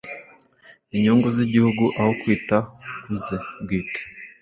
inyungu z’igihugu aho kwita ku ze bwite